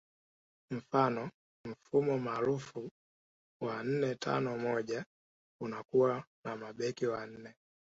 Mfano mfumo maarufu wa nne tano moja unakuwa na mabeki wanne